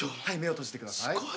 はい目を閉じてください。